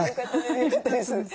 よかったです。